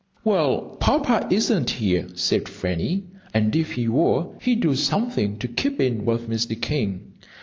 "Well, Papa isn't here," said Fanny, "and if he were, he'd do something to keep in with Mr. King.